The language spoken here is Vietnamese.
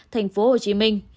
thành phố hồ chí minh